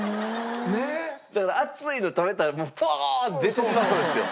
だから熱いの食べたらポーンって出てしまうんですよ。